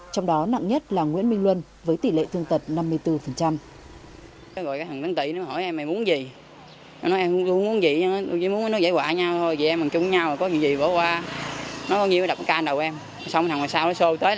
trong đó nặng nhất là nguyễn minh luân với tỷ lệ thương tật năm mươi bốn